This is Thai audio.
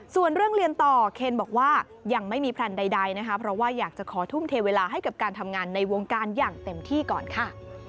ส่วนเรื่องเรียนต่อเคนบอกว่ายังไม่มีแพลนใดนะคะเพราะว่าอยากจะขอทุ่มเทเวลาให้กับการทำงานในวงการอย่างเต็มที่ก่อนค่ะ